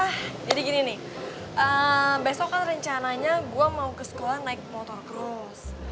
karena jadi gini nih besok kan rencananya gue mau ke sekolah naik motor cros